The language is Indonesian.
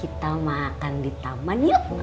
kita makan di taman ya